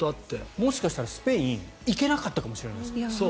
もしかしたらスペイン行けなかったかもしれない。